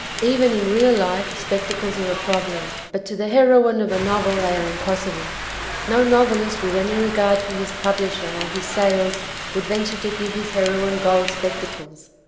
Even in real life spec 224 Rom ance and Eyeglasses tacles are a problem, but to the heroine of a novel they are impossible. No novelist with any regard for his publisher or his sales would venture to give his heroine gold spectacles.